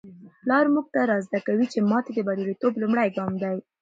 پلار موږ ته را زده کوي چي ماتې د بریالیتوب لومړی ګام دی.